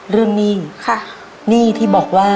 เรื่องหนี้